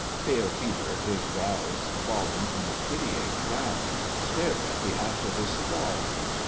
Pale Peter, his brows fallen in a pitying frown, stared at the ash of his cigar.